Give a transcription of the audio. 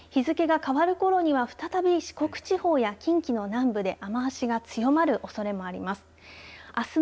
日付が変わるころには再び四国地方や近畿の南部で雨足が強まるおそれもあります。